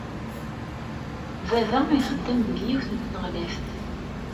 Baba ixeddem deg yiwet n tneɣraft.